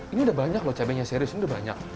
ini udah banyak loh cabainya serius ini udah banyak